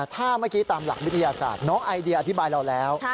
ถ้าเมื่อกี้ตามหลักวิทยาศาสตร์น้องไอเดียอธิบายเราแล้ว